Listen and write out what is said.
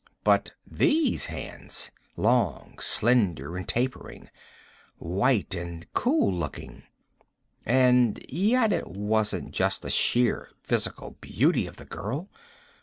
But these hands, long, slender and tapering, white and cool looking.... And yet, it wasn't just the sheer physical beauty of the girl.